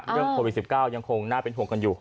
เรื่องโควิด๑๙ยังคงน่าเป็นห่วงกันอยู่